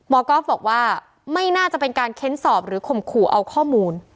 ก๊อฟบอกว่าไม่น่าจะเป็นการเค้นสอบหรือข่มขู่เอาข้อมูล